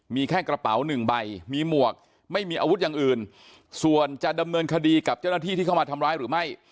มีแค่กระเป๋าหนึ่งใบมีหมวกไม่มีอาวุธอย่างอื่นส่วนจะดำเนินคดีกับเจ้าหน้าที่ที่เข้ามาทำร้ายหรือไม่